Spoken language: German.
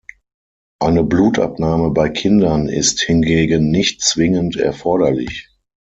Eine Blutabnahme bei Kindern ist hingegen nicht zwingend erforderlich.